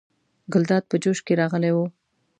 ګلداد په جوش کې راغلی و.